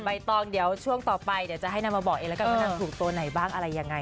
ในช่วงต่อไปจะให้น้ำมาบอกละกันถูกตัวไหนบ้างอะไรยังไง